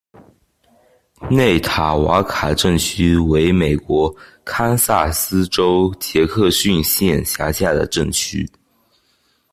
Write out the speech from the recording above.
内塔瓦卡镇区为美国堪萨斯州杰克逊县辖下的镇区。